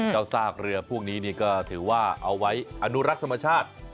ซากเรือพวกนี้นี่ก็ถือว่าเอาไว้อนุรักษ์ธรรมชาติ